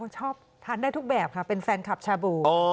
ชอบทานได้ทุกแบบค่ะเป็นแฟนคลับชาบู